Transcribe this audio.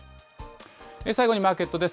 最後にマーケットです。